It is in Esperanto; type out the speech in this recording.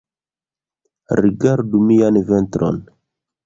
Rigardu mian ventron